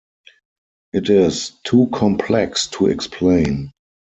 It is too complex to explain.